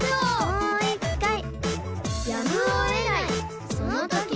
もういっかい！